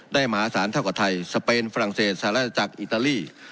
หมาสารเท่ากับไทยสเปนฝรั่งเศสหราชจักรอิตาลี